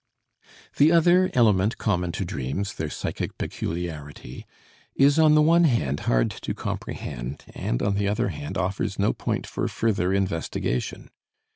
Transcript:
The other element common to dreams, their psychic peculiarity, is on the one hand hard to comprehend, and on the other hand offers no point for further investigation.